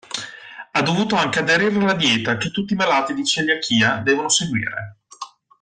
Ha dovuto anche aderire alla dieta che tutti i malati di celiachia devono seguire.